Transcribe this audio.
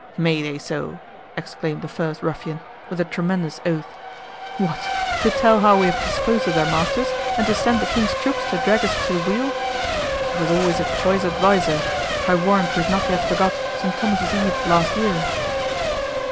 "May they so?" exclaimed the first ruffian, with a tremendous oath—"What! to tell how we have disposed of their masters, and to send the king's troops to drag us to the wheel! You were always a choice adviser—I warrant we have not yet forgot St. Thomas's eve last year."